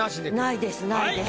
ないですないです。